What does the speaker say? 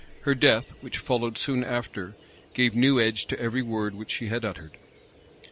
Her death, which followed soon after, gave new edge to every word which she had uttered.